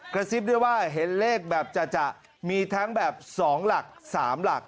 กระซิบด้วยว่าเห็นเลขแบบจะมีทั้งแบบ๒หลัก๓หลัก